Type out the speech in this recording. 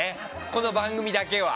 この番組だけは。